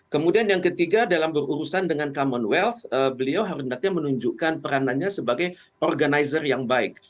kemudian yang ketiga dalam berurusan dengan commonwealth beliau harus menunjukkan peranannya sebagai organizer yang baik